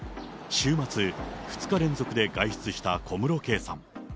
週末、２日連続で外出した小室圭さん。